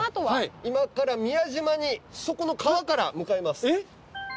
はい今から宮島にそこの川から向かいますえっ？